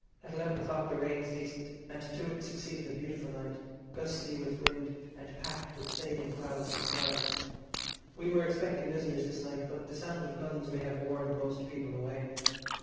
At eleven o'clock the rain ceased, and to it succeeded a beautiful night, gusty with wind, and packed with sailing clouds and stars. We were expecting visitors this night, but the sound of guns may have warned most people away.